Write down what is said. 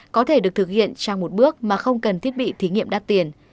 có thể được thực hiện trong một bước mà không cần thiết bị thí nghiệm đắt tiền